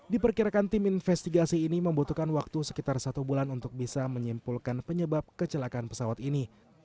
diperkirakan tim investigasi ini membutuhkan waktu sekitar satu bulan untuk bisa menyimpulkan penyebab kecelakaan pesawat ini